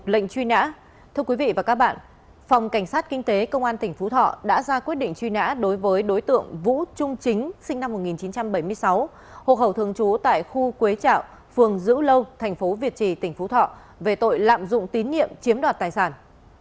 lạm dụng tín nhiệm chiếm đoạt tài sản